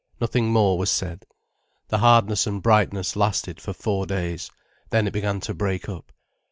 Nothing more was said. The hardness and brightness lasted for four days. Then it began to break up.